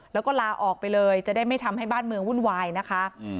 แล้วก็ลาออกไปเลยจะได้ไม่ทำให้บ้านเมืองวุ่นวายนะคะ